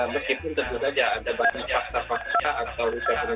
begitu tentu saja ada banyak fakta fakta atau kebenaran